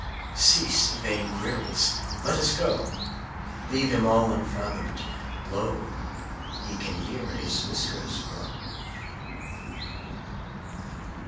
Cease vain queries! Let us go! Leave him all unfathomed. Lo, He can hear his whiskers grow.